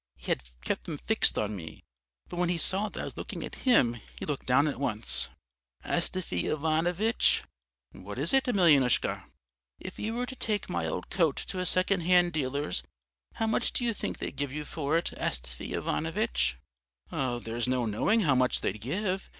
He had kept them fixed on me, but when he saw that I was looking at him, he looked down at once. "'Astafy Ivanovitch.' "'What is it, Emelyanoushka?' "'If you were to take my old coat to a second hand dealer's, how much do you think they'd give you for it, Astafy Ivanovitch?' "'There's no knowing how much they'd give.